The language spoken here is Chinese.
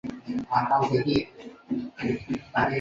该组合还获得一些编舞和流行方面的奖项。